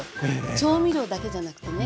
調味料だけじゃなくてね